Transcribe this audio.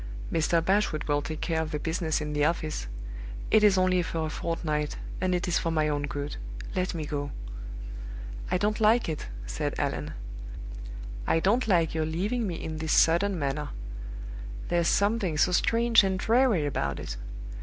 Mr. Bashwood will take care of the business in the office; it is only for a fortnight, and it is for my own good let me go!" "I don't like it," said Allan. "I don't like your leaving me in this sudden manner. There's something so strange and dreary about it.